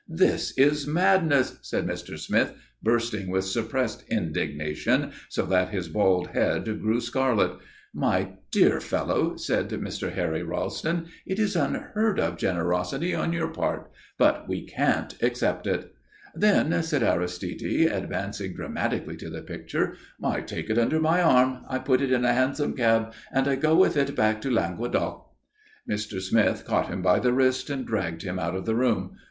"This is madness!" said Mr. Smith, bursting with suppressed indignation, so that his bald head grew scarlet. "My dear fellow!" said Mr. Harry Ralston. "It is unheard of generosity on your part. But we can't accept it." "Then," said Aristide, advancing dramatically to the picture, "I take it under my arm, I put it in a hansom cab, and I go with it back to Languedoc." Mr. Smith caught him by the wrist and dragged him out of the room.